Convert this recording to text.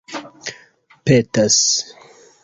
petas